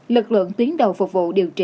lực lượng tiến đầu phục vụ